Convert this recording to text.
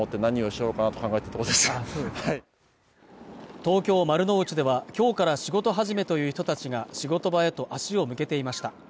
東京・丸の内では今日から仕事始めという人たちが仕事場へと足を向けていました